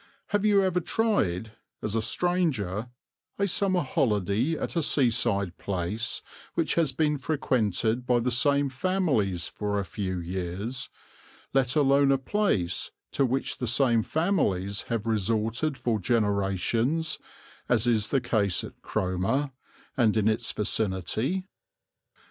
Have you ever tried, as a stranger, a summer holiday at a seaside place which has been frequented by the same families for a few years, let alone a place to which the same families have resorted for generations, as is the case at Cromer and in its vicinity?